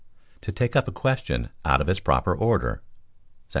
To Take up a Question out of its proper order …………….